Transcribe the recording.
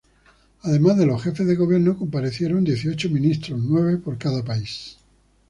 Además de los jefes de gobierno, comparecieron dieciocho ministros, nueve por cada país.